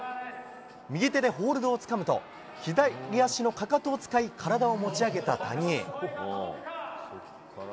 右手でホールドをつかむと左足のかかとを使い体を持ち上げた谷井。